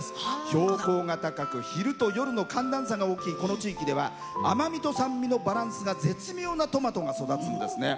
標高が高く昼と夜の寒暖差が多いこの地域では甘みと酸味のバランスが絶妙なトマトが育つんですね。